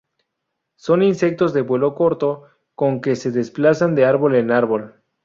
Son insectos de vuelo corto, con que se desplazan de árbol en árbol.